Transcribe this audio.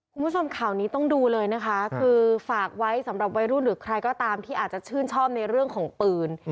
คุณผู้ชมข่าวนี้ต้องดูเลยนะคะคือฝากไว้สำหรับวัยรุ่นหรือใครก็ตามที่อาจจะชื่นชอบในเรื่องของปืน